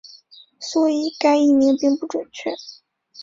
所以该译名并不准确。